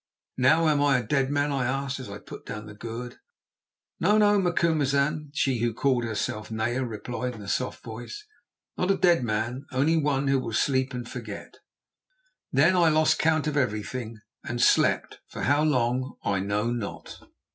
"Now am I a dead man?" I asked, as I put down the gourd. "No, no, Macumazahn," she who called herself Naya replied in a soft voice; "not a dead man, only one who will sleep and forget." Then I lost count of everything and slept—for how long I know not.